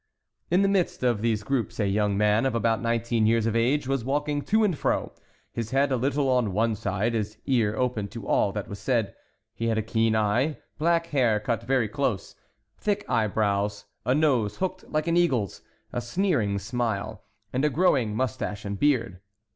In the midst of these groups a young man of about nineteen years of age was walking to and fro, his head a little on one side, his ear open to all that was said. He had a keen eye, black hair cut very close, thick eyebrows, a nose hooked like an eagle's, a sneering smile, and a growing mustache and beard.